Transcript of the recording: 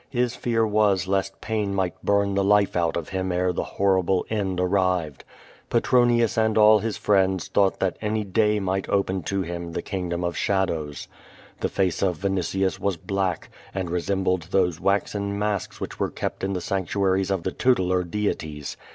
His fear was lest pain might burn the life out of him ere the horrible end arrived. Petronius and all his friends thought that any day might open to him the kingdom of shadows. The face of Vinitius was black, and resembled those waxen masks which were kept in the sanctuaries of the tutelar deities.